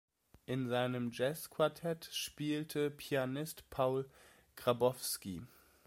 In seinem Jazzquartett spielte Pianist Paul Grabowsky.